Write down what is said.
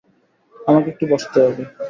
আমাকে একটু বসতে হবে।